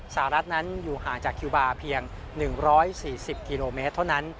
สหรัฐนั้นอยู่ห่างจากคิวบาร์เพียง๑๔๐กิโลเมตรเท่านั้น